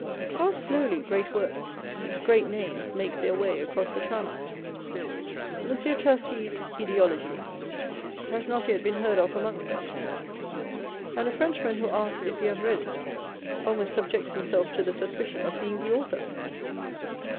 How slowly great works, great names make their way across the Channel ! M. Tracey's Ideologie has not yet been heard of amongst us, and a Frenchman who asks if you have read it, almost subjects himself to the suspicion of being the author.